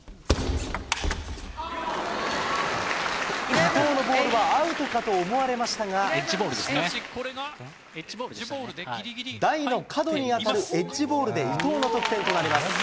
伊藤のボールはアウトかと思われましたが、台の角に当たるエッジボールで伊藤の得点となります。